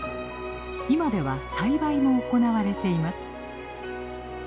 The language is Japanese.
今では栽培も行われています。